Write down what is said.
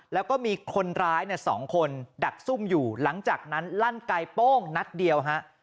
แล้วก็มีคนร้าย๒คนดักซุ่มอยู่หลังจากนั้นลั่นไกลโป้งนัดเดียวฮะ